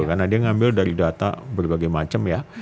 karena dia ngambil dari data berbagai macam ya